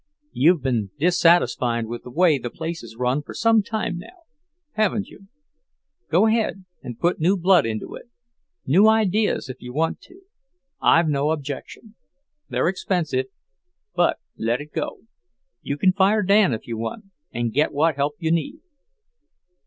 You've been dissatisfied with the way the place is run for some time, haven't you? Go ahead and put new blood into it. New ideas, if you want to; I've no objection. They're expensive, but let it go. You can fire Dan if you want, and get what help you need."